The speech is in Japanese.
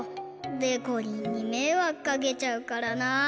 でこりんにめいわくかけちゃうからなあ。